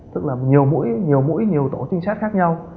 tức là nhiều mũi nhiều mũi nhiều tổ trinh sát khác nhau